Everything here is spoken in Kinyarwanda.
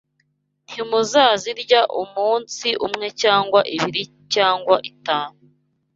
Ntimuzazirya umunsi umwe cyangwa ibiri cyangwa itanu